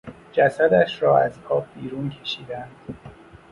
جسدش را از آب بیرون کشیدند.